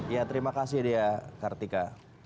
ya terima kasih dea kartika